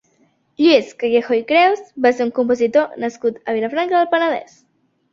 Lluís Callejo i Creus va ser un compositor nascut a Vilafranca del Penedès.